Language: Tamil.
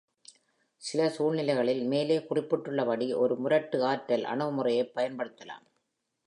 சில சூழ்நிலைகளில், மேலே குறிப்பிடப்பட்டுள்ளபடி ஒரு முரட்டு ஆற்றல் அணுகுமுறையைப் பயன்படுத்தலாம்.